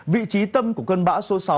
vị trí tâm của cơn bão số sáu